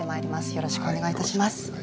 よろしくお願いします